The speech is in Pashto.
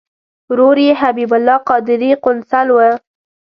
ورور یې حبیب الله قادري قونسل و.